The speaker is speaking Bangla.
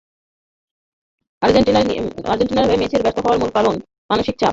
আর্জেন্টিনার হয়ে মেসির ব্যর্থ হওয়ার মূল কারণ মানসিক চাপ নিয়ে নেওয়া।